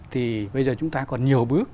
thì bây giờ chúng ta còn nhiều bước